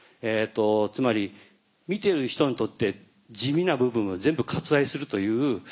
つまり見てる人にとって地味な部分は全部割愛するという。